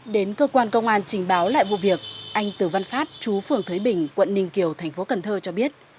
đến cơ quan công an trình báo lại vụ việc anh từ văn phát chú phường thới bình quận ninh kiều thành phố cần thơ cho biết